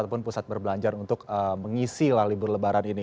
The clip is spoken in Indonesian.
ataupun pusat berbelanja untuk mengisi la libur lebaran ini